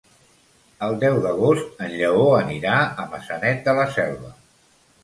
El deu d'agost en Lleó anirà a Maçanet de la Selva.